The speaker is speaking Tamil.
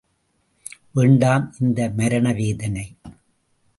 வேண்டாம், இந்த மரணவேதனை!